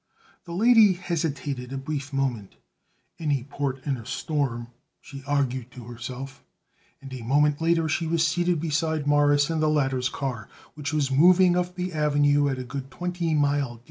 The lady hesitated a brief moment. Any port in a storm, she argued to herself, and a moment later she was seated beside Morris in the latter's car, which was moving up the Avenue at a good twenty mile gait.